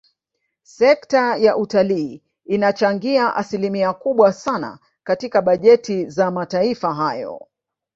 Sekta ya utalii inachangia asilimia kubwa sana katika bajeti za mataifa hayo